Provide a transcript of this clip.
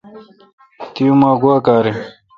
تی اومہ گوا کار این۔